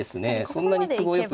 そんなに都合よく。